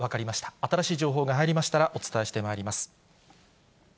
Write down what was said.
新しい情報が入りましたらお伝えしてまいります。